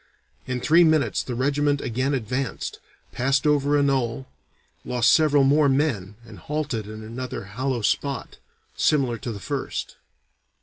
In three minutes the regiment again advanced, passed over a knoll, lost several more men, and halted in another hollow spot, similar to the first.